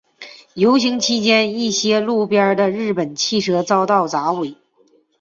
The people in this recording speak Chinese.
游行期间一些路边的日本汽车遭到砸毁。